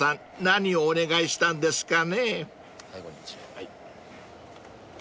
何お願いしたんですか？